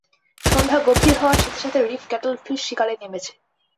সন্ধ্যা গভীর হওয়ার সাথে সাথে রীফ কাটলফিশ শিকারে নেমেছে।